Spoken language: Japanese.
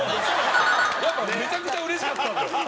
やっぱめちゃくちゃうれしかったんで。